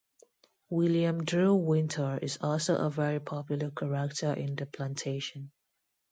William Drew Winter is also a very popular character in the plantation.